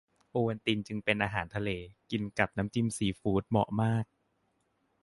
โอวัลตินจึงเป็นอาหารทะเล กินกับน้ำจิ้มซีฟู้ดเหมาะมาก